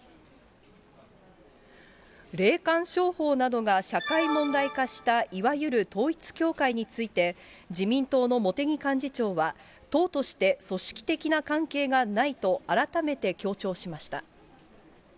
霊感商法などが社会問題化した、いわゆる統一教会について、自民党の茂木幹事長は、党として組織的な関係がないと、改めて強調しました。